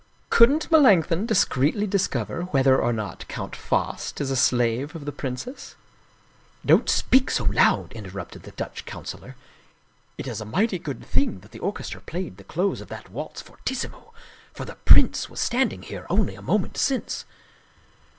" Couldn't Melanchthon discreetly discover whether or not Count Faast is a slave of the princess ?"" Don't speak so loud," interrupted the Dutch councilor. " It is a mighty good thing that the orchestra played the close of that waltz fortissimo, for the prince was standing here only a moment since."